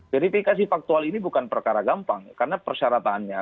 verifikasi faktual ini bukan perkara gampang karena persyaratannya